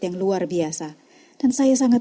yang luar biasa dan saya sangat